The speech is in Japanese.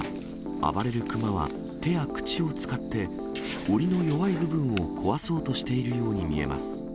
暴れるクマは、手や口を使って、おりの弱い部分を壊そうとしているように見えます。